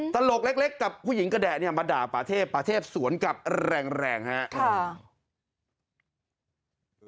ตลกเล็กกับผู้หญิงกระแดะเนี่ยมาด่าป่าเทพปาเทพสวนกลับแรงครับ